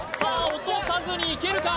落とさずにいけるか？